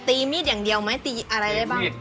มีดอย่างเดียวไหมตีอะไรได้บ้าง